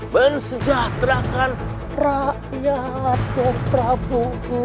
mensejahterakan rakyatmu prabu